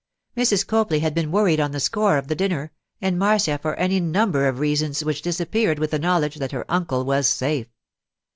Mrs. Copley had been worried on the score of the dinner, and Marcia for any number of reasons which disappeared with the knowledge that her uncle was safe.